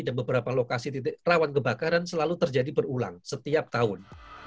dan beberapa lokasi rawan kebakaran selalu terjadi berulang setiap tahun